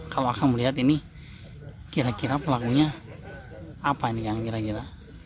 kalau akan melihat ini kira kira pelakunya apa ini kang kira kira